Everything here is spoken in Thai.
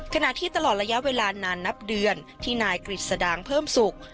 ขณะที่ตลอดระยะเวลานานนับเดือนที่นายกฤษดางเพิ่มศุกร์